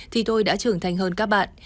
thì tôi đã trưởng thành hơn các bạn